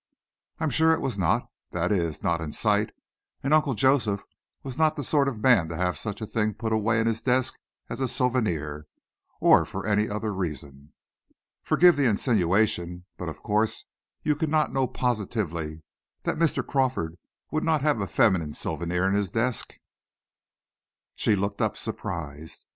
"I'm sure it was not! That is, not in sight, and Uncle Joseph was not the sort of man to have such a thing put away in his desk as a souvenir, or for any other reason." "Forgive the insinuation, but of course you could not know positively that Mr. Crawford would not have a feminine souvenir in his desk." She looked up surprised.